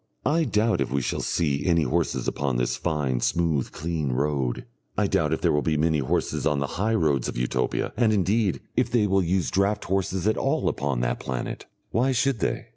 I doubt if we shall see any horses upon this fine, smooth, clean road; I doubt if there will be many horses on the high roads of Utopia, and, indeed, if they will use draught horses at all upon that planet. Why should they?